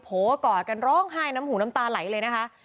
กอดกันร้องไห้น้ำหูน้ำตาไหลเลยนะคะ